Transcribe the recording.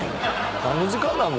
何の時間なん？